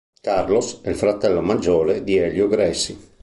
Carlos è il fratello maggiore di Hélio Gracie.